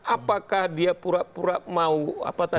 apakah dia pura pura mau apa tadi